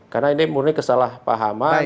karena ini murni kesalahpahaman